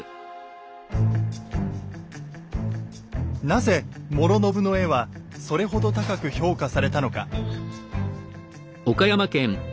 なぜ師宣の絵はそれほど高く評価されたのか。